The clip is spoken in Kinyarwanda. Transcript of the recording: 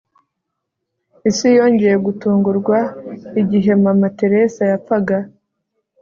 isi yongeye gutungurwa igihe mama teresa yapfaga